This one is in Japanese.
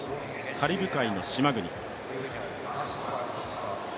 カリブ海の島国。